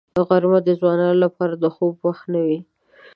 غرمه د ځوانانو لپاره د خوب وخت نه وي